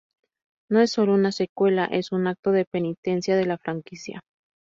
No es solo una secuela, es un acto de penitencia de la franquicia.